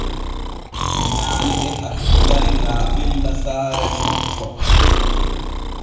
Nyaale e hakkilani laaɓella saare makko.